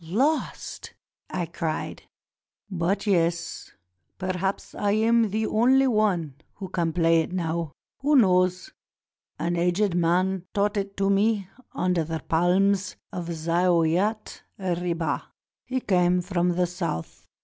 "Lost?" I cried. "But, yes, perhaps I am the only one who can play it now. Who knows? An aged man taught it to me under the palms of Zaouiat Ribah. He came from the South.